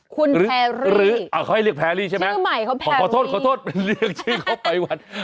คุณแพรรี่ชื่อใหม่เขาแพรรี่ขอโทษเป็นเรื่องชื่อเขาไผวร์น